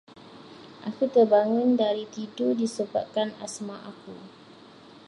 Aku terbangun dari tidur disebabkan asma aku.